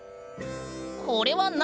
これは何？